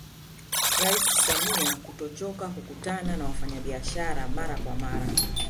Rais Samia kutochoka kukutana na wafanyabiashara mara kwa mara